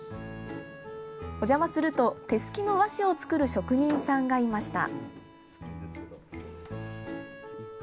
お邪魔すると、手すきの和紙を作る職人さんがいました。